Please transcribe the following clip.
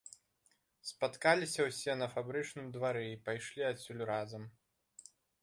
Спаткаліся ўсе на фабрычным двары і пайшлі адсюль разам.